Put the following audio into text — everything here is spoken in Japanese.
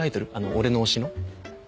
俺の推しの。